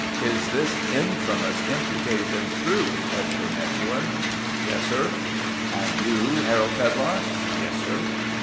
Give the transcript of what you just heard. "Is this infamous imputation true, Edgar Methuen?" "Yes, sir." "And you, Harold Pedlar?" "Yes, sir."